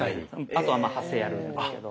あとはまあ発声やるんですけど。